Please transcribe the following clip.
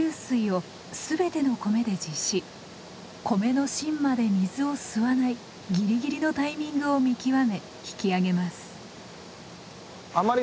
米の芯まで水を吸わないギリギリのタイミングを見極め引き上げます。